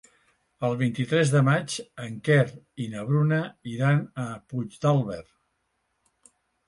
El vint-i-tres de maig en Quer i na Bruna iran a Puigdàlber.